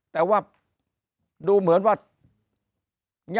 แต่ว่าดูเหมือนว่า